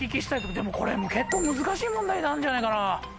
でもこれ結構難しい問題なんじゃないかな。